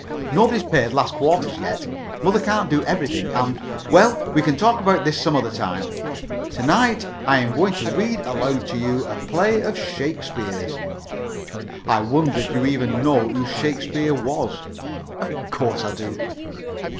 "Nobody's paid last quarter's yet. Mother can't do everything, and " "Well, we can talk about that some other time. To night I am going to read aloud to you a play of Shakespeare's. I wonder if you even know who Shakespeare was?" "Of course I do."